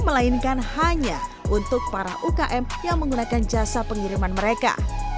melainkan hanya untuk para ukm yang menggunakan jasa pengiriman mereka